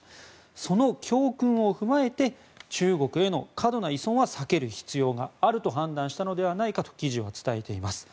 その教訓を踏まえて中国への過度な依存は避ける必要があると判断したのではないかと記事は伝えています。